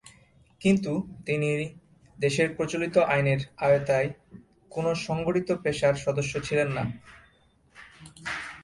কিন্তু তিনি দেশের প্রচলিত আইনের আওতায় কোনো সংগঠিত পেশার সদস্য ছিলেন না।